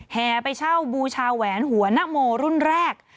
แห่ไปเช่าบูชาแหวนหัวนโมรุ่นแรก